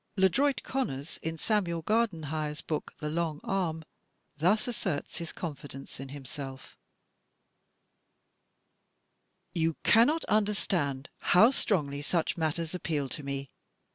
LeDroit Conners, in Samuel Gardenhire's book, "The Long Arm," thus asserts his confidence in himself: "You cannot understand how strongly such matters appeal to me.